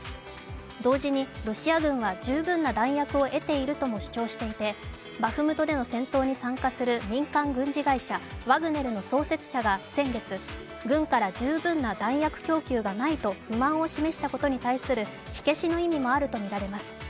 同時に、ロシア軍は十分な弾薬を得ているとも主張していてバフムトでの戦闘に参加する民間軍事会社ワグネルの創設者が先月、軍から十分な弾薬居球がないと不満をもらしたことに対する火消しの意味もあるとみられます。